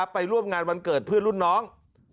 ไปร่วมงานวันเกิดเพื่อนรุ่นน้อง